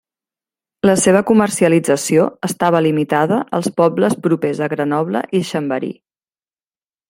La seva comercialització estava limitada als pobles propers a Grenoble i Chambéry.